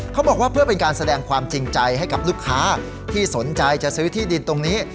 เขาบอกว่าเพื่อเป็นการแสดงความจริงใจให้กับลูกค้าที่สนใจจะซื้อที่ดินตรงนี้